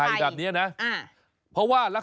สวัสดีครับ